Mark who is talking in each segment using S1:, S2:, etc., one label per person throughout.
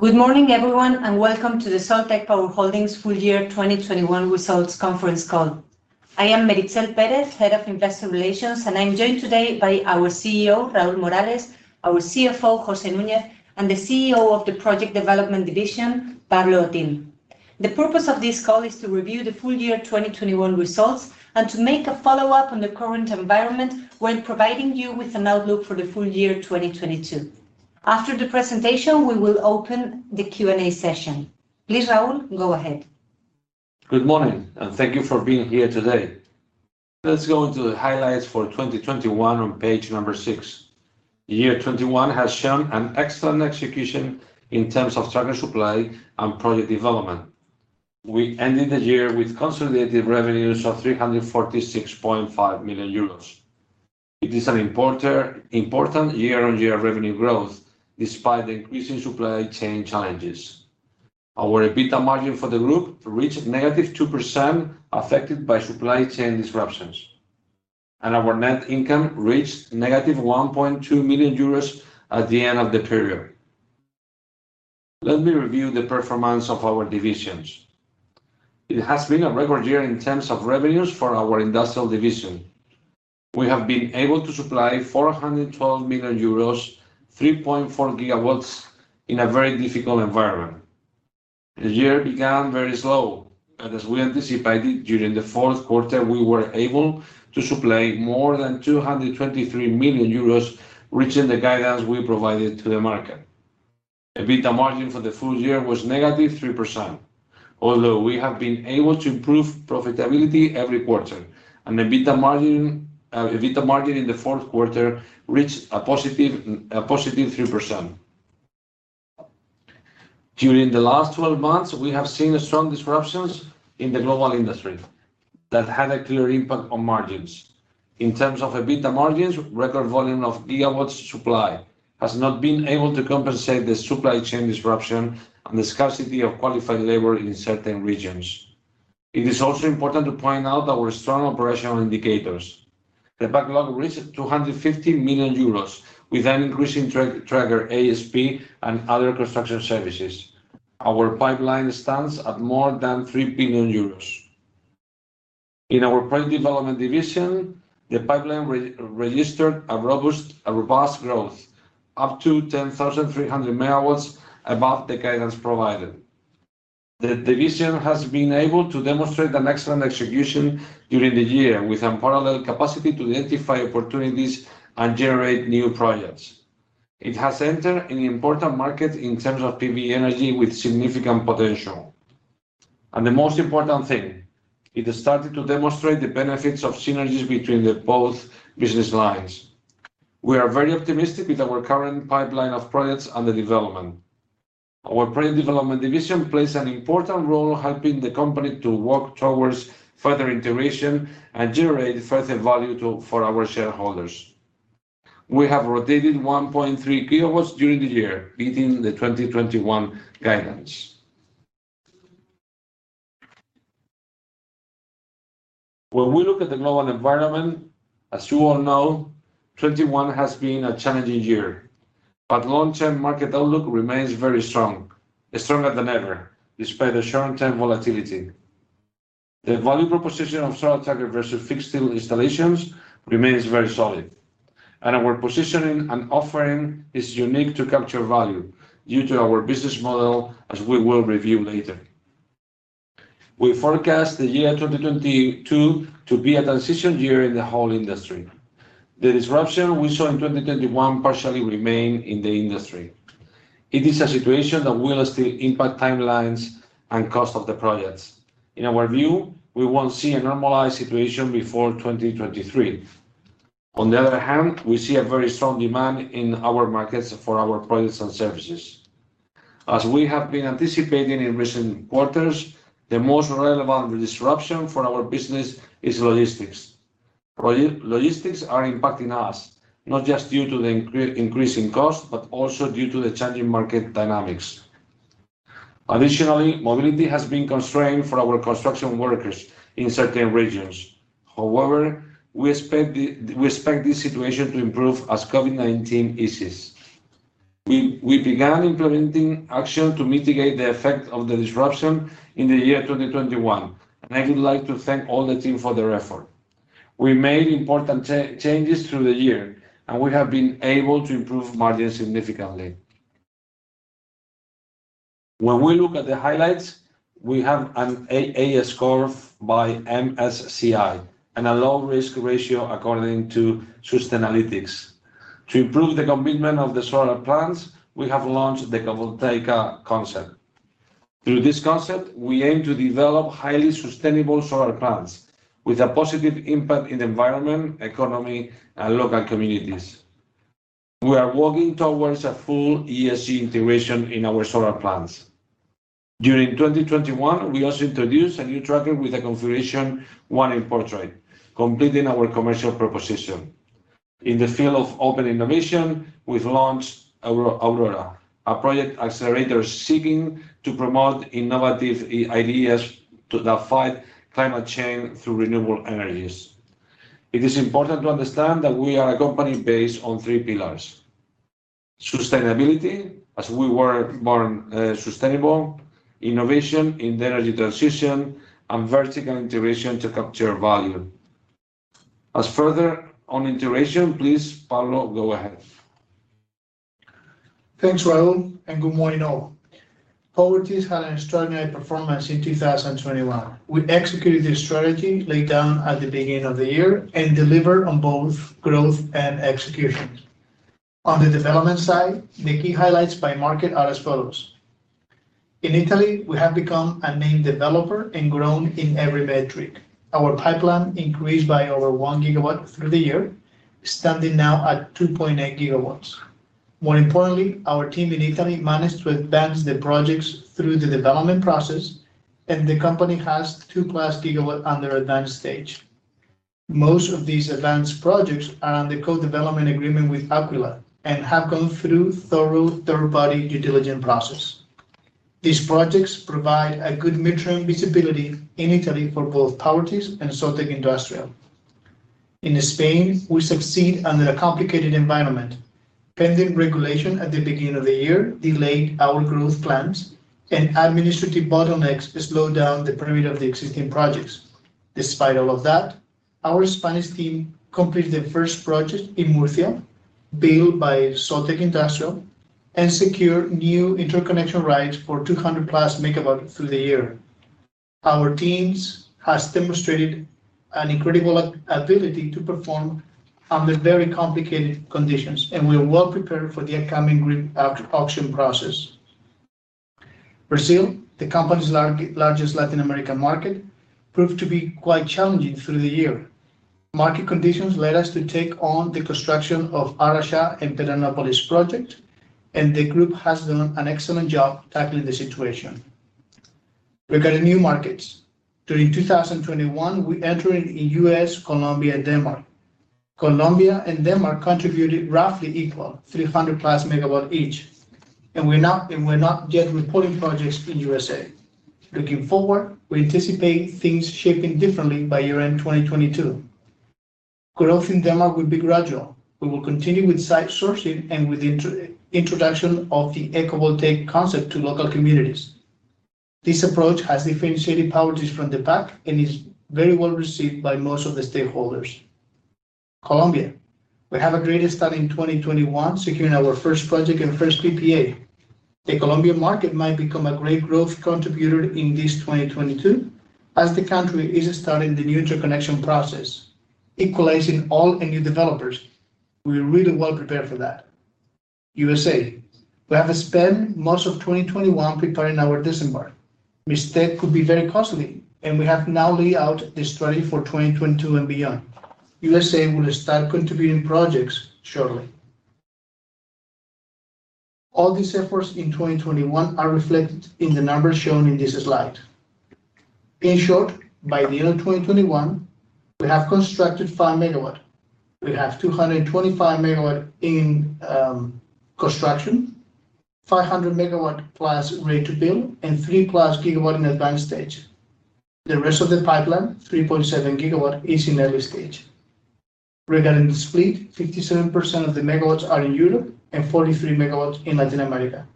S1: Good morning, everyone, and welcome to the Soltec Power Holdings Full Year 2021 Results Conference Call. I am Meritxell Pérez, Head of Investor Relations, and I'm joined today by our CEO, Raúl Morales, our CFO, José Núñez, and the CEO of the Project Development Division, Pablo Otín. The purpose of this call is to review the full year 2021 results and to make a follow-up on the current environment when providing you with an outlook for the full year 2022. After the presentation, we will open the Q&A session. Please, Raúl, go ahead.
S2: Good morning, and thank you for being here today. Let's go into the highlights for 2021 on page six. 2021 has shown an excellent execution in terms of tracker supply and project development. We ended the year with consolidated revenues of 346.5 million euros. It is an important year-on-year revenue growth despite the increasing supply chain challenges. Our EBITDA margin for the group reached -2%, affected by supply chain disruptions, and our net income reached -1.2 million euros at the end of the period. Let me review the performance of our divisions. It has been a record year in terms of revenues for our Industrial division. We have been able to supply 412 million euros, 3.4 GW in a very difficult environment. The year began very slow, and as we anticipated during the fourth quarter, we were able to supply more than 223 million euros, reaching the guidance we provided to the market. EBITDA margin for the full year was -3%, although we have been able to improve profitability every quarter, and EBITDA margin in the fourth quarter reached a +3%. During the last 12 months, we have seen strong disruptions in the global industry that had a clear impact on margins. In terms of EBITDA margins, record volume of gigawatts supply has not been able to compensate the supply chain disruption and the scarcity of qualified labor in certain regions. It is also important to point out our strong operational indicators. The backlog reached 215 million euros, with an increasing tracker ASP and other construction services. Our pipeline stands at more than 3 billion euros. In our Project Development division, the pipeline registered a robust growth, up to 10,300 MW above the guidance provided. The division has been able to demonstrate an excellent execution during the year with unparalleled capacity to identify opportunities and generate new projects. It has entered an important market in terms of PV energy with significant potential. The most important thing, it has started to demonstrate the benefits of synergies between the both business lines. We are very optimistic with our current pipeline of projects under development. Our Project Development division plays an important role helping the company to work towards further integration and generate further value to, for our shareholders. We have rotated 1.3 kW during the year, beating the 2021 guidance. When we look at the global environment, as you all know, 2021 has been a challenging year, but long-term market outlook remains very strong, stronger than ever, despite the short-term volatility. The value proposition of solar tracker versus fixed-tilt installations remains very solid, and our positioning and offering is unique to capture value due to our business model, as we will review later. We forecast the year 2022 to be a transition year in the whole industry. The disruption we saw in 2021 partially remain in the industry. It is a situation that will still impact timelines and cost of the projects. In our view, we won't see a normalized situation before 2023. On the other hand, we see a very strong demand in our markets for our products and services. As we have been anticipating in recent quarters, the most relevant disruption for our business is logistics. Logistics are impacting us, not just due to the increasing cost, but also due to the changing market dynamics. Additionally, mobility has been constrained for our construction workers in certain regions. However, we expect this situation to improve as COVID-19 eases. We began implementing action to mitigate the effect of the disruption in the year 2021, and I would like to thank all the team for their effort. We made important changes through the year, and we have been able to improve margins significantly. When we look at the highlights, we have an AA score by MSCI and a Low Risk ratio according to Sustainalytics. To improve the commitment of the solar plants, we have launched the Ecovoltaica concept. Through this concept, we aim to develop highly sustainable solar plants with a positive impact in the environment, economy, and local communities. We are working towards a full ESG integration in our solar plants. During 2021, we also introduced a new tracker with a configuration one in portrait, completing our commercial proposition. In the field of open innovation, we've launched Aurora, a project accelerator seeking to promote innovative ideas to fight climate change through renewable energies. It is important to understand that we are a company based on three pillars. Sustainability, as we were born sustainable, innovation in the energy transition, and vertical integration to capture value. As further on integration, please, Pablo go ahead.
S3: Thanks Raúl, and good morning all. Powertis had an extraordinary performance in 2021. We executed the strategy laid down at the beginning of the year and delivered on both growth and execution. On the development side, the key highlights by market are as follows. In Italy, we have become a main developer and grown in every metric. Our pipeline increased by over 1 GW through the year, standing now at 2.8 GW. More importantly, our team in Italy managed to advance the projects through the development process, and the company has 2+ GW under advanced stage. Most of these advanced projects are under co-development agreement with Aquila and have gone through thorough third-party due diligence process. These projects provide a good mid-term visibility in Italy for both Powertis and Soltec Industrial. In Spain, we succeed under a complicated environment. Pending regulation at the beginning of the year delayed our growth plans and administrative bottlenecks slowed down the permitting of the existing projects. Despite all of that, our Spanish team completed the first project in Murcia, built by Soltec Industrial, and secure new interconnection rights for 200+ MW through the year. Our teams has demonstrated an incredible ability to perform under very complicated conditions, and we are well prepared for the upcoming grid auction process. Brazil, the company's largest Latin American market, proved to be quite challenging through the year. Market conditions led us to take on the construction of Araxá and Pedranópolis project, and the group has done an excellent job tackling the situation. Regarding new markets, during 2021, we entered in U.S., Colombia, and Denmark. Colombia and Denmark contributed roughly equal, 300+ MW each, and we're not yet reporting projects in U.S.A. Looking forward, we anticipate things shaping differently by year-end 2022. Growth in Denmark will be gradual. We will continue with site sourcing and with introduction of the eco-voltaic concept to local communities. This approach has differentiated Powertis from the pack and is very well-received by most of the stakeholders. Colombia, we have a great start in 2021, securing our first project and first PPA. The Colombian market might become a great growth contributor in this 2022, as the country is starting the new interconnection process, equalizing old and new developers. We're really well prepared for that. U.S.A., we have spent most of 2021 preparing our disembark. Mistake could be very costly, and we have now laid out the strategy for 2022 and beyond. U.S.A. will start contributing projects shortly. All these efforts in 2021 are reflected in the numbers shown in this slide. In short, by the end of 2021, we have constructed 5 MW. We have 225 MW in construction, 500+ MW ready to build, and 3+ GW in advanced stage. The rest of the pipeline, 3.7 GW, is in early stage. Regarding the split, 57% of the megawatts are in Europe and 43% in Latin America.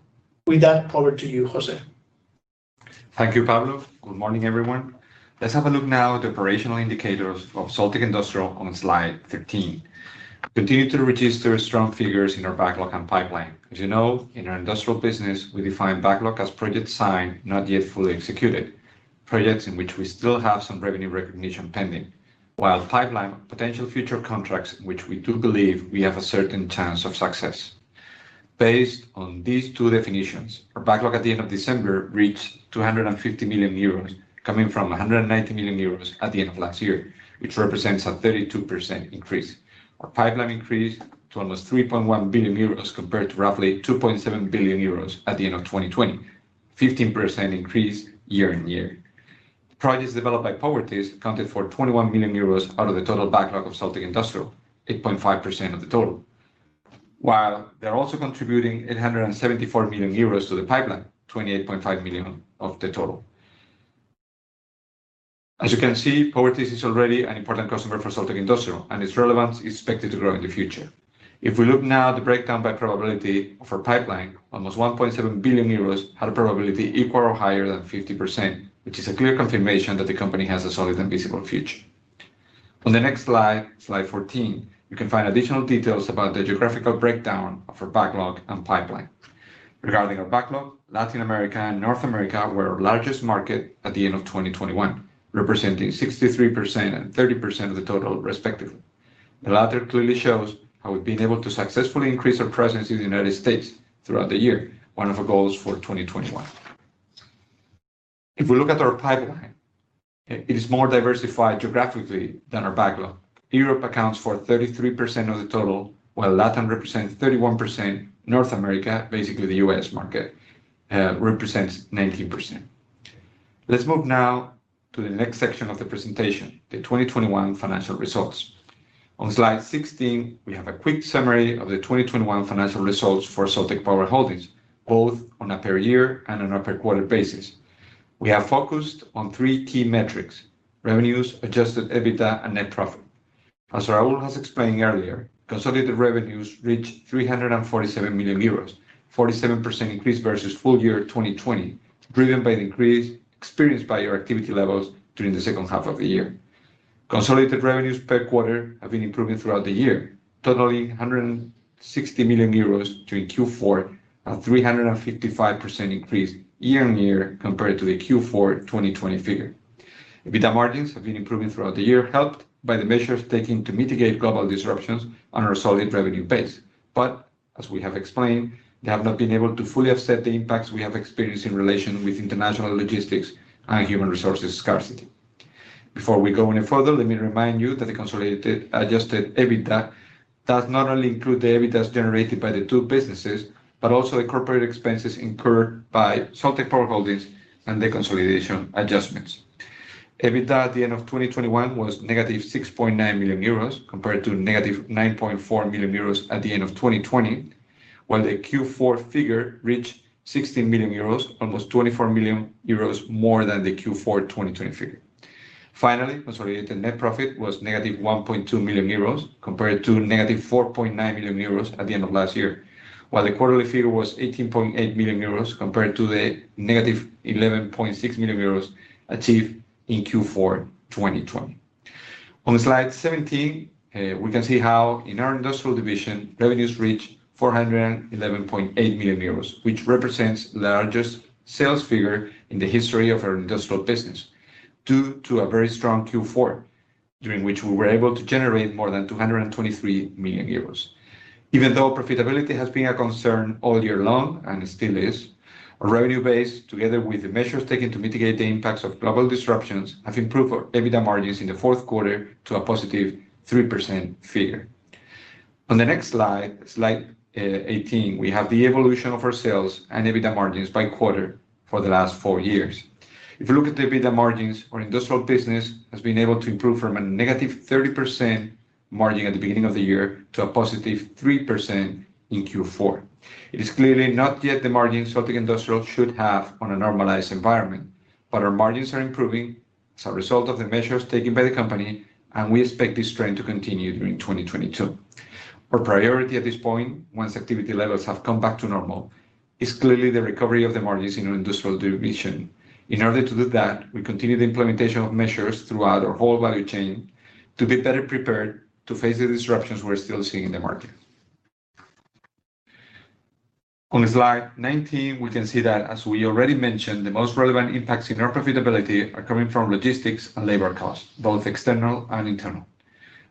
S3: With that, over to you, José.
S4: Thank you Pablo. Good morning, everyone. Let's have a look now at the operational indicators of Soltec Industrial on slide 13. We continue to register strong figures in our backlog and pipeline. As you know, in our industrial business, we define backlog as projects signed, not yet fully executed, projects in which we still have some revenue recognition pending. Pipeline, potential future contracts, which we do believe we have a certain chance of success. Based on these two definitions, our backlog at the end of December reached 250 million euros, coming from 190 million euros at the end of last year, which represents a 32% increase. Our pipeline increased to almost 3.1 billion euros compared to roughly 2.7 billion euros at the end of 2020. 15% increase year-over-year. The projects developed by Powertis accounted for 21 million euros out of the total backlog of Soltec Industrial, 8.5% of the total, while they're also contributing 874 million euros to the pipeline, 28.5 million of the total. As you can see, Powertis is already an important customer for Soltec Industrial, and its relevance is expected to grow in the future. If we look now at the breakdown by probability of our pipeline, almost 1.7 billion euros had a probability equal or higher than 50%, which is a clear confirmation that the company has a solid and visible future. On the next slide 14, you can find additional details about the geographical breakdown of our backlog and pipeline. Regarding our backlog, Latin America and North America were our largest market at the end of 2021, representing 63% and 30% of the total, respectively. The latter clearly shows how we've been able to successfully increase our presence in the United States throughout the year, one of our goals for 2021. If we look at our pipeline, it is more diversified geographically than our backlog. Europe accounts for 33% of the total, while Latin represents 31%. North America, basically the U.S. market, represents 19%. Let's move now to the next section of the presentation, the 2021 financial results. On slide 16, we have a quick summary of the 2021 financial results for Soltec Power Holdings, both on a per year and on a per quarter basis. We have focused on three key metrics: revenues, adjusted EBITDA, and net profit. As Raúl has explained earlier, consolidated revenues reached 347 million euros, 47% increase versus full year 2020, driven by the increase experienced by our activity levels during the second half of the year. Consolidated revenues per quarter have been improving throughout the year, totaling 160 million euros during Q4, a 355% increase year-on-year compared to the Q4 2020 figure. EBITDA margins have been improving throughout the year, helped by the measures taken to mitigate global disruptions on our solid revenue base. As we have explained, they have not been able to fully offset the impacts we have experienced in relation with international logistics and human resources scarcity. Before we go any further, let me remind you that the consolidated adjusted EBITDA does not only include the EBITDA generated by the two businesses, but also the corporate expenses incurred by Soltec Power Holdings and the consolidation adjustments. EBITDA at the end of 2021 was -6.9 million euros compared to -9.4 million euros at the end of 2020. While the Q4 figure reached 60 million euros, almost 24 million euros more than the Q4 2020 figure. Finally, consolidated net profit was -1.2 million euros compared to -4.9 million euros at the end of last year. While the quarterly figure was 18.8 million euros compared to the -11.6 million euros achieved in Q4 2020. On slide 17, we can see how in our Industrial division, revenues reach 411.8 million euros, which represents the largest sales figure in the history of our Industrial business, due to a very strong Q4, during which we were able to generate more than 223 million euros. Even though profitability has been a concern all year long, and it still is, our revenue base, together with the measures taken to mitigate the impacts of global disruptions, have improved our EBITDA margins in the fourth quarter to a +3% figure. On the next slide 18, we have the evolution of our sales and EBITDA margins by quarter for the last four years. If you look at the EBITDA margins, our Industrial business has been able to improve from a -30% margin at the beginning of the year to a +3% in Q4. It is clearly not yet the margin Soltec Industrial should have on a normalized environment, but our margins are improving as a result of the measures taken by the company, and we expect this trend to continue during 2022. Our priority at this point, once activity levels have come back to normal, is clearly the recovery of the margins in our Industrial division. In order to do that, we continue the implementation of measures throughout our whole value chain to be better prepared to face the disruptions we're still seeing in the market. On slide 19, we can see that as we already mentioned, the most relevant impacts in our profitability are coming from logistics and labor costs, both external and internal.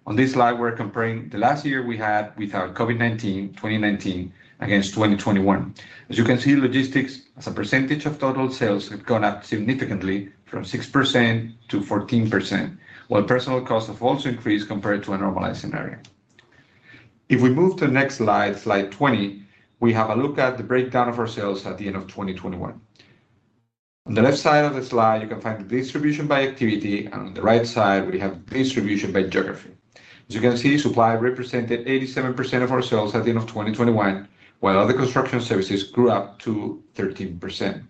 S4: On this slide, we're comparing the last year we had without COVID-19, 2019, against 2021. As you can see, logistics as a percentage of total sales have gone up significantly from 6% to 14%, while personnel costs have also increased compared to a normalized scenario. If we move to the next slide 20, we have a look at the breakdown of our sales at the end of 2021. On the left side of the slide, you can find the distribution by activity, and on the right side, we have the distribution by geography. As you can see, supply represented 87% of our sales at the end of 2021, while other construction services grew up to 13%.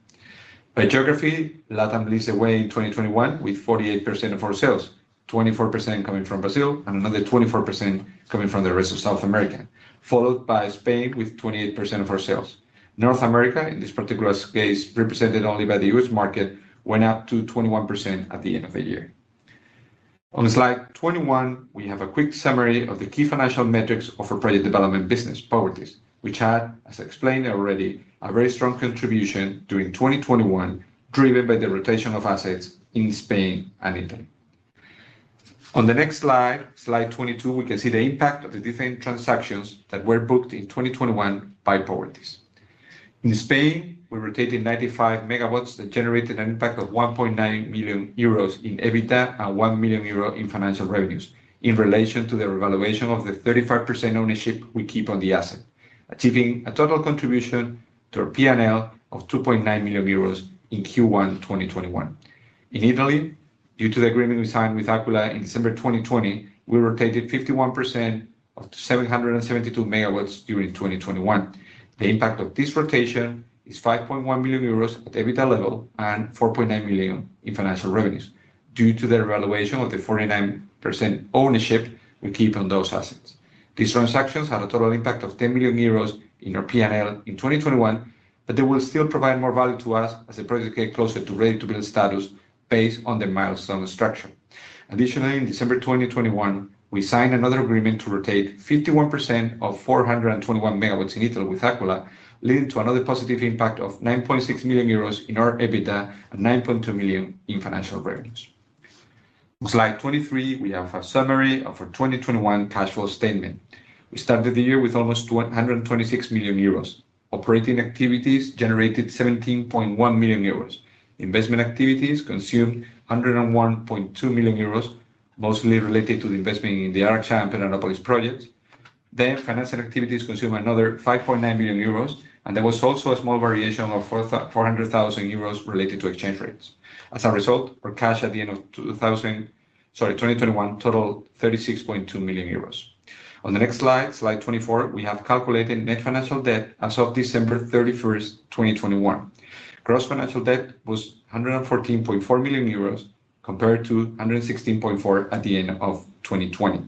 S4: By geography, LATAM leads the way in 2021 with 48% of our sales, 24% coming from Brazil and another 24% coming from the rest of South America. Followed by Spain with 28% of our sales. North America, in this particular case, represented only by the U.S. market, went up to 21% at the end of the year. On slide 21, we have a quick summary of the key financial metrics of our project development business, Powertis, which had, as explained already, a very strong contribution during 2021, driven by the rotation of assets in Spain and Italy. On the next slide 22, we can see the impact of the different transactions that were booked in 2021 by Powertis. In Spain, we rotated 95 MW that generated an impact of 1.9 million euros in EBITDA and 1 million euro in financial revenues in relation to the revaluation of the 35% ownership we keep on the asset. Achieving a total contribution to our P&L of 2.9 million euros in Q1 2021. In Italy, due to the agreement we signed with Aquila in December 2020, we rotated 51% of 772 MW during 2021. The impact of this rotation is 5.1 million euros at EBITDA level and 4.9 million in financial revenues due to the revaluation of the 49% ownership we keep on those assets. These transactions had a total impact of 10 million euros in our P&L in 2021, but they will still provide more value to us as the projects get closer to ready-to-build status based on their milestone structure. Additionally, in December 2021, we signed another agreement to rotate 51% of 421 MW in Italy with Aquila, leading to another positive impact of 9.6 million euros in our EBITDA and 9.2 million in financial revenues. On slide 23, we have a summary of our 2021 cash flow statement. We started the year with almost 126 million euros. Operating activities generated 17.1 million euros. Investment activities consumed 101.2 million euros, mostly related to the investment in the Araxá and Pedranópolis projects. Financial activities consume another 5.9 million euros. There was also a small variation of 400,000 euros related to exchange rates. As a result, our cash at the end of 2021 totaled 36.2 million euros. On the next slide 24, we have calculated net financial debt as of December 31st, 2021. Gross financial debt was 114.4 million euros compared to 116.4 million at the end of 2020.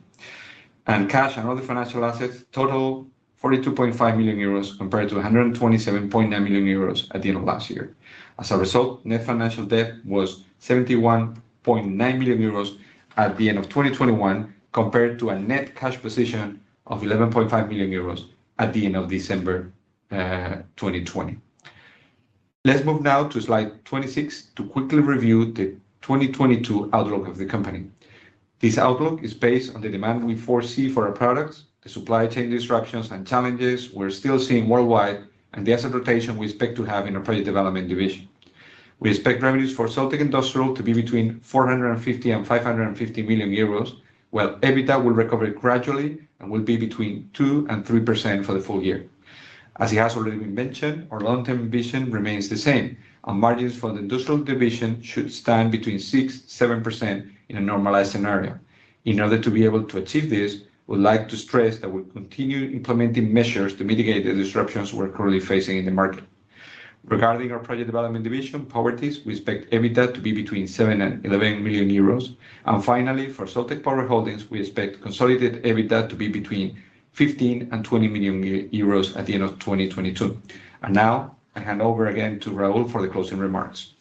S4: Cash and other financial assets total 42.5 million euros, compared to 127.9 million euros at the end of last year. As a result, net financial debt was 71.9 million euros at the end of 2021, compared to a net cash position of 11.5 million euros at the end of December 2020. Let's move now to slide 26 to quickly review the 2022 outlook of the company. This outlook is based on the demand we foresee for our products, the supply chain disruptions and challenges we're still seeing worldwide, and the asset rotation we expect to have in our Project Development division. We expect revenues for Soltec Industrial to be between 450 million and 550 million euros, while EBITDA will recover gradually and will be between 2% and 3% for the full year. As it has already been mentioned, our long-term vision remains the same, and margins for the Industrial division should stand between 6%-7% in a normalized scenario. In order to be able to achieve this, we would like to stress that we'll continue implementing measures to mitigate the disruptions we're currently facing in the market. Regarding our Project Development division, Powertis, we expect EBITDA to be between 7 million and 11 million euros. Finally, for Soltec Power Holdings, we expect consolidated EBITDA to be between 15 million and 20 million euros at the end of 2022. Now I hand over again to Raúl for the closing remarks.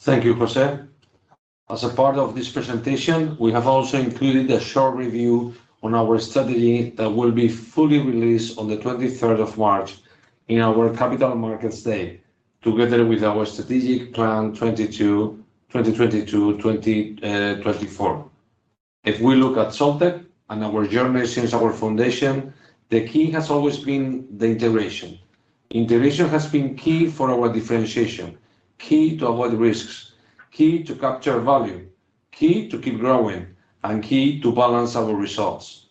S2: Thank you José. As a part of this presentation, we have also included a short review on our strategy that will be fully released on the 23rd of March in our Capital Markets Day, together with our strategic plan 2020 to 2024. If we look at Soltec and our journey since our foundation, the key has always been the integration. Integration has been key for our differentiation, key to avoid risks, key to capture value, key to keep growing, and key to balance our results,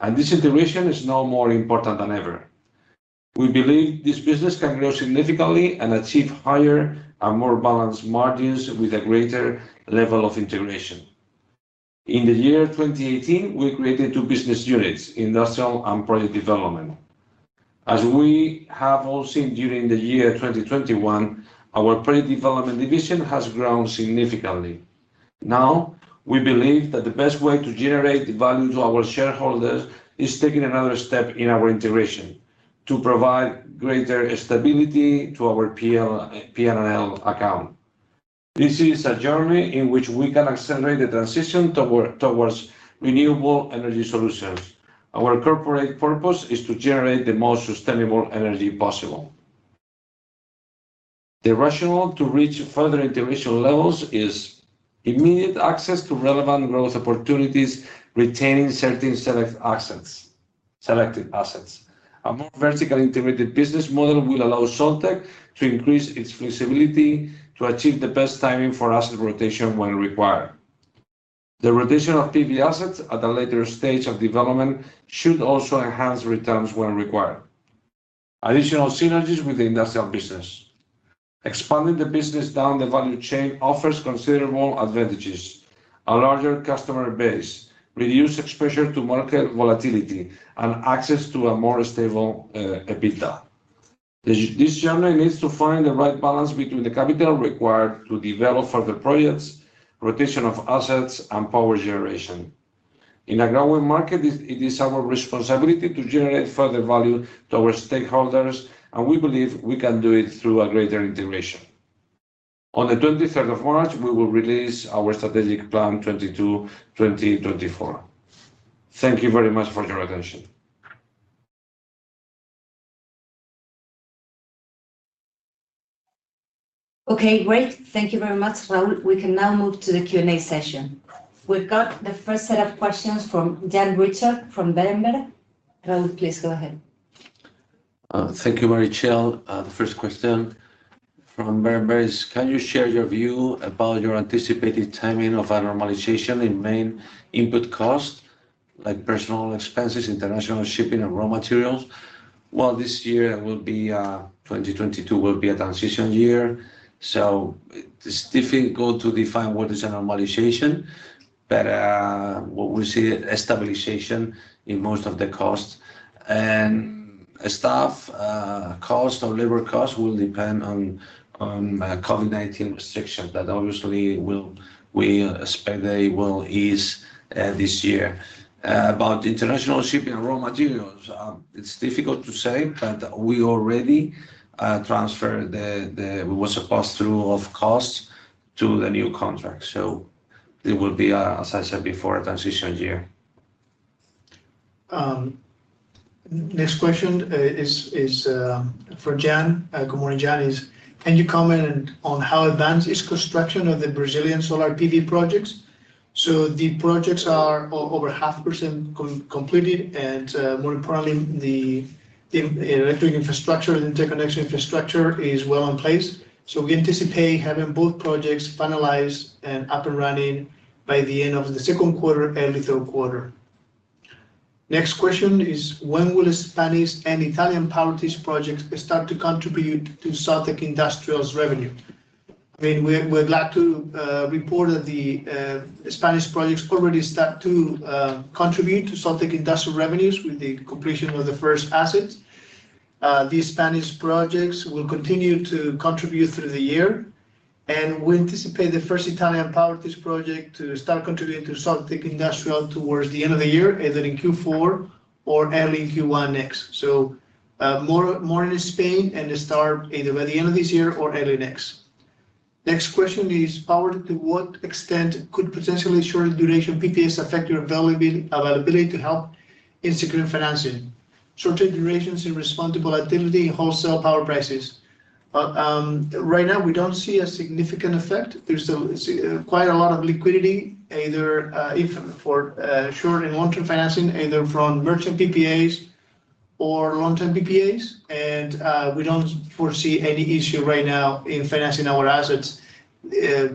S2: and this integration is now more important than ever. We believe this business can grow significantly and achieve higher and more balanced margins with a greater level of integration. In the year 2018, we created two business units, Industrial and Project Development. As we have all seen during the year 2021, our Project Development division has grown significantly. Now, we believe that the best way to generate the value to our shareholders is taking another step in our integration to provide greater stability to our P&L account. This is a journey in which we can accelerate the transition towards renewable energy solutions. Our corporate purpose is to generate the most sustainable energy possible. The rationale to reach further integration levels is immediate access to relevant growth opportunities, retaining certain select assets. A more vertically integrated business model will allow Soltec to increase its flexibility to achieve the best timing for asset rotation when required. The rotation of PV assets at a later stage of development should also enhance returns when required. Additional synergies with the Industrial business. Expanding the business down the value chain offers considerable advantages, a larger customer base, reduced exposure to market volatility, and access to a more stable EBITDA. This journey needs to find the right balance between the capital required to develop further projects, rotation of assets, and power generation. In a growing market, it is our responsibility to generate further value to our stakeholders, and we believe we can do it through a greater integration. On the 23rd of March, we will release our strategic plan 2022-2024. Thank you very much for your attention.
S1: Okay. Great. Thank you very much Raúl. We can now move to the Q&A session. We've got the first set of questions from Jan Richard from Berenberg. Raúl, please go ahead.
S2: Thank you Meritxell. The first question from Berenberg is, "Can you share your view about your anticipated timing of a normalization in main input costs like personnel expenses, international shipping, and raw materials?" Well, 2022 will be a transition year, so it's difficult to define what is a normalization. What we see, stabilization in most of the costs. Staff cost or labor cost will depend on COVID-19 restrictions. We expect they will ease this year. About international shipping, raw materials, it's difficult to say, but we already transferred the pass-through of costs to the new contract. It will be, as I said before, a transition year.
S3: Next question is for Jan. Good morning Jan. "Can you comment on how advanced is construction of the Brazilian solar PV projects?" The projects are over 50% completed, and more importantly, the electrical infrastructure, the interconnection infrastructure is well in place. We anticipate having both projects finalized and up and running by the end of the second quarter, early third quarter. Next question is, when will Spanish and Italian power purchase projects start to contribute to Soltec Industrial's revenue? I mean, we're glad to report that the Spanish projects already start to contribute to Soltec Industrial revenues with the completion of the first assets. The Spanish projects will continue to contribute through the year, and we anticipate the first Italian power purchase project to start contributing to Soltec Industrial towards the end of the year, either in Q4 or early Q1 next. More in Spain and start either by the end of this year or early next. Next question is, to what extent could potentially short duration PPAs affect your availability to help in securing financing, shorter durations or volatility in wholesale power prices? Right now, we don't see a significant effect. There's still quite a lot of liquidity, either for short and long-term financing, either from merchant PPAs or long-term PPAs. We don't foresee any issue right now in financing our assets,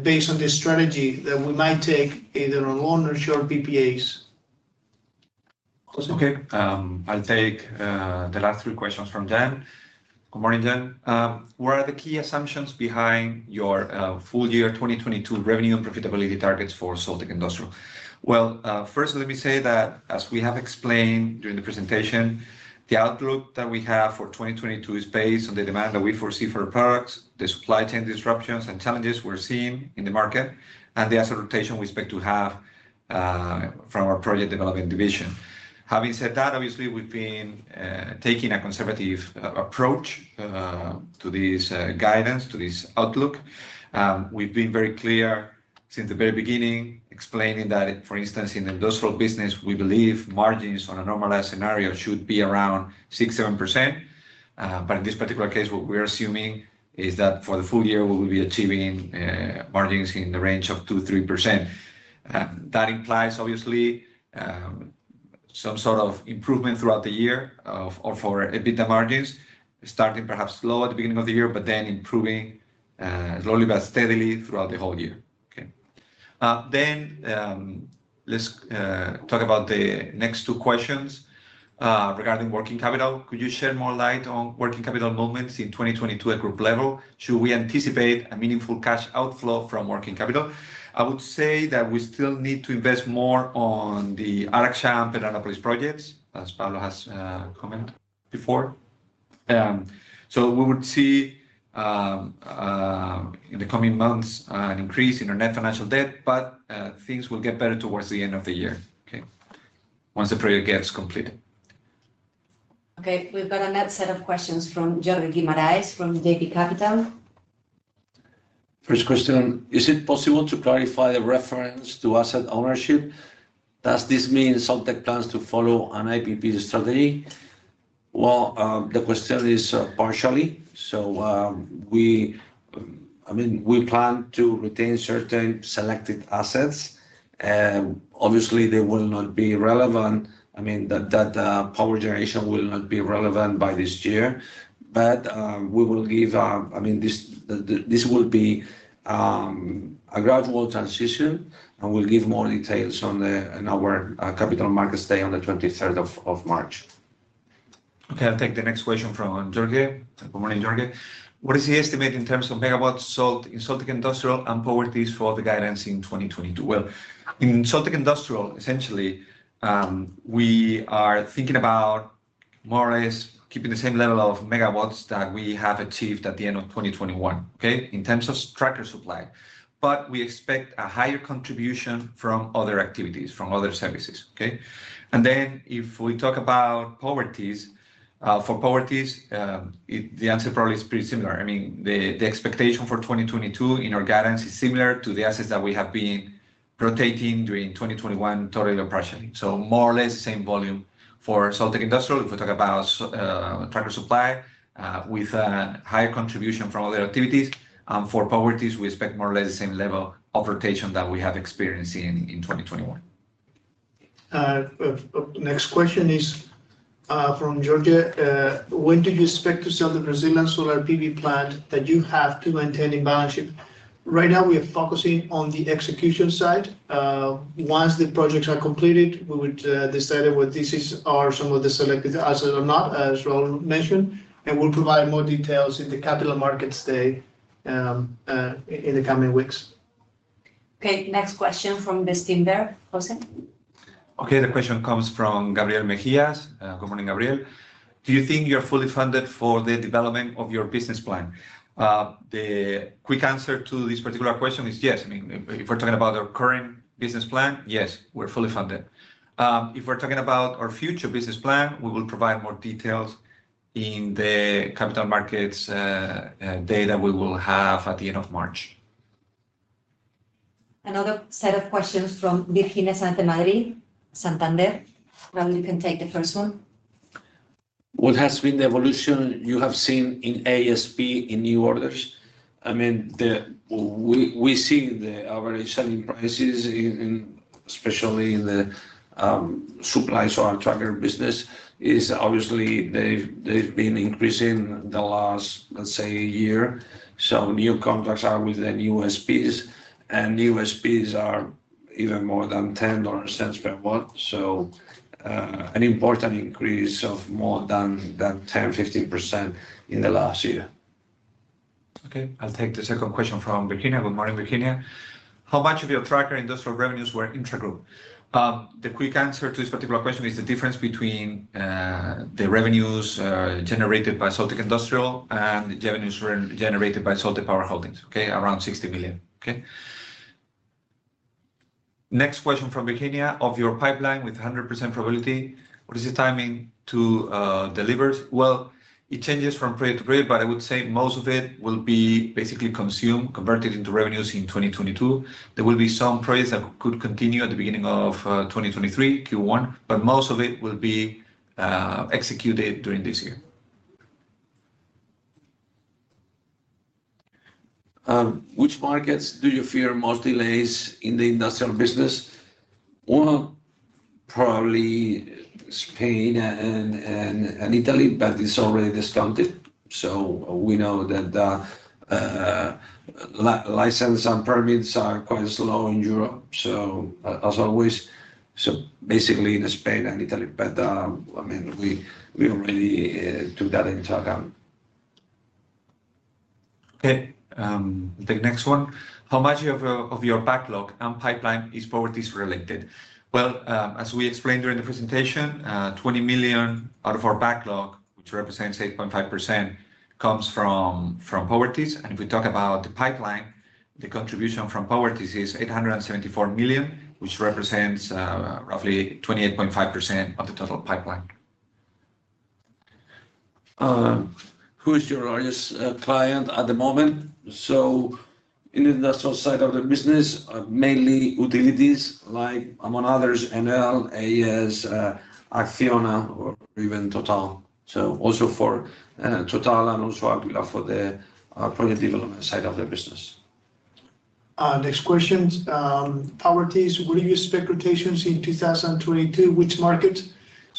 S3: based on the strategy that we might take either on long or short PPAs. José?
S4: Okay. I'll take the last three questions from Jan. Good morning Jan. What are the key assumptions behind your full year 2022 revenue and profitability targets for Soltec Industrial? Well, first let me say that as we have explained during the presentation, the outlook that we have for 2022 is based on the demand that we foresee for our products, the supply chain disruptions and challenges we're seeing in the market, and the asset rotation we expect to have from our project development division. Having said that, obviously, we've been taking a conservative approach to this guidance, to this outlook. We've been very clear since the very beginning explaining that, for instance, in Industrial business, we believe margins on a normalized scenario should be around 6%-7%. In this particular case, what we're assuming is that for the full year, we will be achieving margins in the range of 2%-3%. That implies obviously some sort of improvement throughout the year of, or for EBITDA margins, starting perhaps slow at the beginning of the year, but then improving slowly but steadily throughout the whole year. Okay. Let's talk about the next two questions regarding working capital. Could you shed more light on working capital movements in 2022 at group level? Should we anticipate a meaningful cash outflow from working capital? I would say that we still need to invest more on the Araxá and Pedranópolis projects, as Pablo has commented before. We would see in the coming months an increase in our net financial debt, but things will get better towards the end of the year, okay, once the project gets completed.
S1: Okay, we've got another set of questions from Jorge Guimarães from JB Capital.
S2: First question, is it possible to clarify the reference to asset ownership? Does this mean Soltec plans to follow an IPP strategy? Well, the question is partially. I mean, we plan to retain certain selected assets. Obviously, they will not be relevant. I mean, that power generation will not be relevant by this year. We will give. I mean, this will be a gradual transition, and we'll give more details on our Capital Markets Day on the 23rd of March.
S4: Okay, I'll take the next question from Jorge. Good morning Jorge. What is the estimate in terms of megawatts sold in Soltec Industrial and Powertis for the guidance in 2022? Well, in Soltec Industrial, essentially, we are thinking about more or less keeping the same level of megawatts that we have achieved at the end of 2021, okay, in terms of tracker supply. We expect a higher contribution from other activities, from other services, okay? If we talk about Powertis, for Powertis, the answer probably is pretty similar. I mean, the expectation for 2022 in our guidance is similar to the assets that we have been rotating during 2021 total operation. More or less the same volume for Soltec Industrial, if we talk about tracker supply, with a higher contribution from other activities. For Powertis, we expect more or less the same level of recognition that we have experienced in 2021.
S3: Next question is from Jorge. When do you expect to sell the Brazilian solar PV plant that you have to maintain on the balance sheet? Right now, we are focusing on the execution side. Once the projects are completed, we would decide whether these are some of the selected assets or not, as Raúl mentioned, and we'll provide more details in the Capital Markets Day in the coming weeks.
S1: Okay. Next question from Bestinver. José?
S4: Okay, the question comes from Gabriel Mejías. Good morning Gabriel. Do you think you're fully funded for the development of your business plan? The quick answer to this particular question is yes. I mean, if we're talking about our current business plan, yes, we're fully funded. If we're talking about our future business plan, we will provide more details in the Capital Markets Day that we will have at the end of March.
S1: Another set of questions from Virginia Santamaría, Santander. Raúl, you can take the first one.
S2: What has been the evolution you have seen in ASP in new orders? I mean, we see the average selling prices in, especially in the supply solar tracker business is obviously they've been increasing the last, let's say, a year. Some new contracts are with the new ASPs, and new ASPs are even more than $0.10 per watt. An important increase of more than 10%-15% in the last year.
S4: Okay. I'll take the second question from Virginia. Good morning Virginia. How much of your tracker industrial revenues were intragroup? The quick answer to this particular question is the difference between the revenues generated by Soltec Industrial and the revenues generated by Soltec Power Holdings. Okay? Around 60 million. Okay? Next question from Virginia. Of your pipeline with 100% probability, what is the timing to deliver? Well, it changes from period to period, but I would say most of it will be basically consumed, converted into revenues in 2022. There will be some periods that could continue at the beginning of 2023, Q1, but most of it will be executed during this year.
S2: Which markets do you fear most delays in the industrial business? One, probably Spain and Italy, but it's already discounted. We know that license and permits are quite slow in Europe. As always, basically in Spain and Italy. I mean, we already took that into account.
S4: Okay. The next one. How much of your backlog and pipeline is Powertis related? Well, as we explained during the presentation, 20 million out of our backlog, which represents 8.5%, comes from Powertis. If we talk about the pipeline, the contribution from Powertis is 874 million, which represents roughly 28.5% of the total pipeline.
S2: Who is your largest client at the moment? In Industrial side of the business, mainly utilities like among others, Enel, AES, Acciona or even Total. Also for Total and also Aquila for the Project Development side of the business.
S3: Next question. Powertis, what are your expectations in 2022, which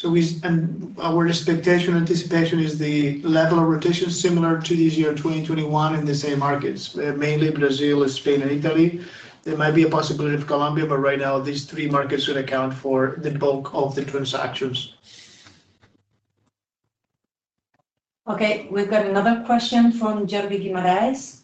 S3: market? Our expectation, anticipation is the level of rotation similar to this year 2021 in the same markets, mainly Brazil, Spain and Italy. There might be a possibility of Colombia, but right now these three markets would account for the bulk of the transactions.
S1: Okay, we've got another question from Jorge Guimarães.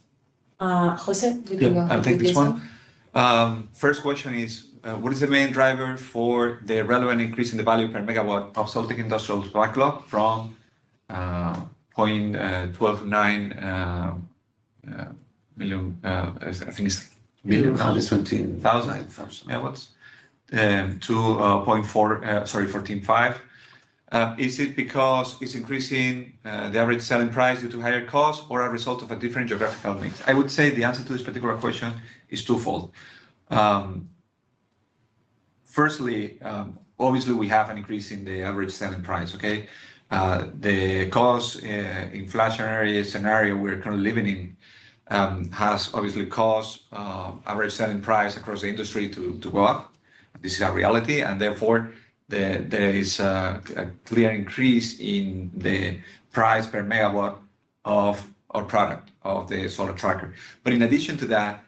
S1: José, you can go and do this one.
S4: Yeah, I'll take this one. First question is, what is the main driver for the relevant increase in the value per megawatt of Soltec Industrial's backlog from EUR 0.129 million to 0.4, sorry, 14.5. Is it because it's increasing the average selling price due to higher costs or a result of a different geographical mix? I would say the answer to this particular question is twofold. Firstly, obviously we have an increase in the average selling price. The cost-inflationary scenario we're currently living in has obviously caused average selling price across the industry to go up. This is a reality, and therefore there is a clear increase in the price per megawatt of our product, of the solar tracker. But in addition to that,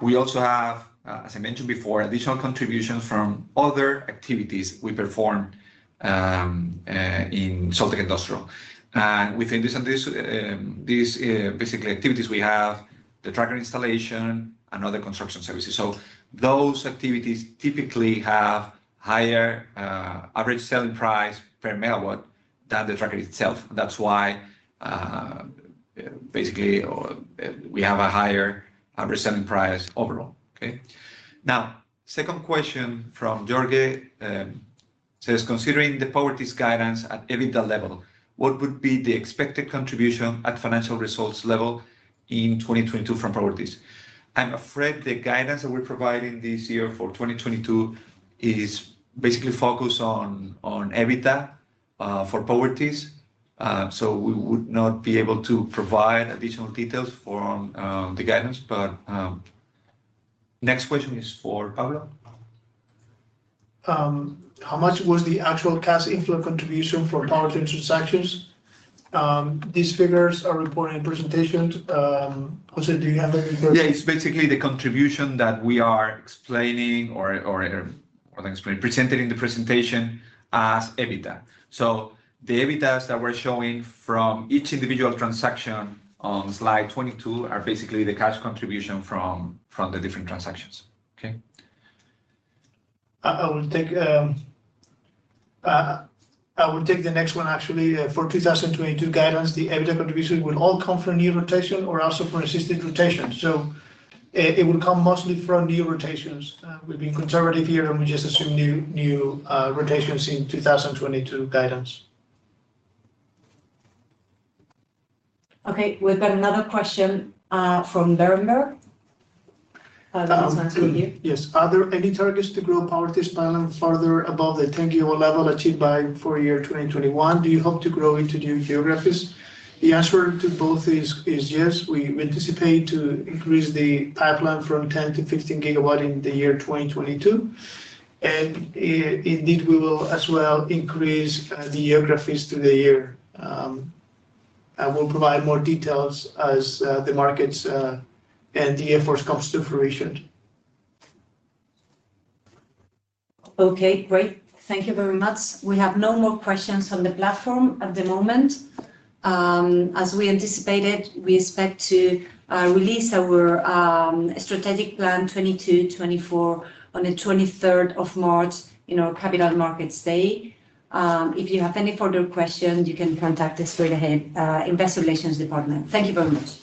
S4: we also have, as I mentioned before, additional contribution from other activities we perform in Soltec Industrial. Within these, basically activities, we have the tracker installation and other construction services. Those activities typically have higher average selling price per megawatt than the tracker itself. That's why we have a higher average selling price overall. Okay? Now, second question from Jorge says, considering the Powertis guidance at EBITDA level, what would be the expected contribution at financial results level in 2022 from Powertis? I'm afraid the guidance that we're providing this year for 2022 is basically focused on EBITDA for Powertis. We would not be able to provide additional details for the guidance. Next question is for Pablo?
S3: How much was the actual cash inflow contribution for Powertis transactions? These figures are reported in presentation. José, do you have any?
S4: Yeah, it's basically the contribution that we are explaining, presenting in the presentation as EBITDA. The EBITDA's that we're showing from each individual transaction on slide 22 are basically the cash contribution from the different transactions. Okay?
S3: I will take the next one actually. For 2022 guidance, the EBITDA contribution will all come from new rotation or also from existing rotation. It will come mostly from new rotations. We've been conservative here, and we just assume new rotations in 2022 guidance.
S1: Okay, we've got another question from Berenberg. Pablo, let's go to you.
S3: Yes. Are there any targets to grow Powertis pipeline further above the 10 GW level achieved for 2021? Do you hope to grow into new geographies? The answer to both is yes. We anticipate to increase the pipeline from 10 GW to 15 GW in the year 2022. Indeed, we will as well increase the geographies through the year. I will provide more details as the markets and the effort comes to fruition.
S1: Okay, great. Thank you very much. We have no more questions on the platform at the moment. As we anticipated, we expect to release our strategic plan 2022-2024 on the 23rd of March in our Capital Markets Day. If you have any further questions, you can contact us straight away, Investor Relations Department. Thank you very much.